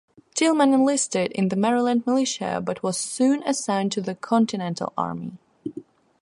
Tilghman enlisted in the Maryland Militia, but was soon assigned to the Continental Army.